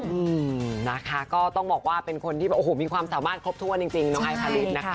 อืมนะคะก็ต้องบอกว่าเป็นคนที่มีความสามารถครบทั่วนจริงน้องไอภารินนะคะ